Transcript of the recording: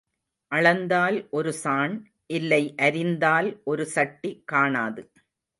அளந்தால் ஒரு சாண் இல்லை அரிந்தால் ஒரு சட்டி காணாது.